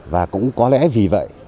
và cũng có lẽ vì vậy